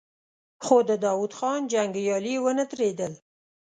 خو د داوود خان جنګيالي ونه درېدل.